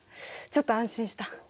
ちょっと安心した。